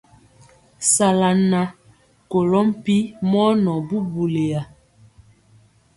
Sala nan kolo mpi mɔ nɔɔ bubuliya.